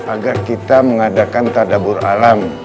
agar kita mengadakan tadabur alam